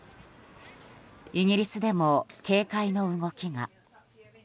イギリスでも、警戒の動きが。